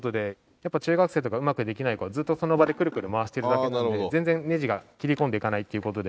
やっぱ中学生とかうまくできない子はずっとその場でクルクル回してるだけなので全然ネジが切り込んでいかないっていう事で。